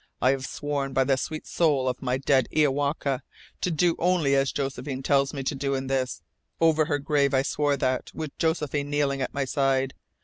I have sworn by the sweet soul of my dead Iowaka to do only as Josephine tells me to do in this. Over her grave I swore that, with Josephine kneeling at my side.